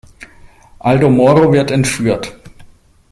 Aldo Moro wird entführt.